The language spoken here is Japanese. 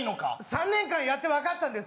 ３年間やって分かったんです